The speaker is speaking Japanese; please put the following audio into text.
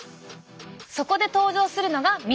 そこで登場するのが水。